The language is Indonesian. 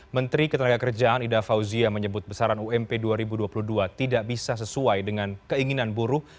menteri ketenagakerjaan ida fauzia menyebut besaran ump dua ribu dua puluh dua tidak bisa sesuai dengan keinginan buruh